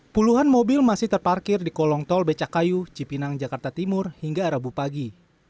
puluhan mobil masih terparkir di kolong tol becakayu cipinang jakarta timur hingga rabu pagi